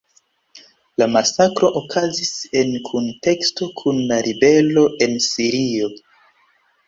La masakro okazis en kunteksto kun la ribelo en Sirio.